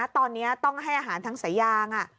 ตอนนี้ต้องให้อาหารทางสายาง